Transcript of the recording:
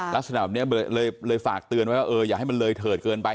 ลักษณะแบบนี้เลยฝากเตือนไว้ว่าเอออย่าให้มันเลยเถิดเกินไป